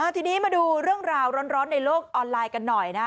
ทีนี้มาดูเรื่องราวร้อนในโลกออนไลน์กันหน่อยนะ